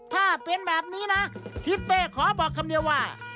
ถ้าเป็นแบบนี้นะทิศเป้ขอบอกคำเดียวว่า